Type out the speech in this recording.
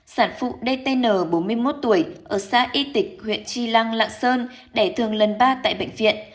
sản phụ dtn bốn mươi một tuổi ở xã y tịch huyện tri lăng lạng sơn để thường lần ba tại bệnh viện